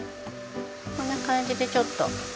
こんな感じでちょっと。